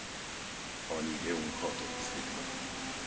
アニ・レオンハートを連れてな。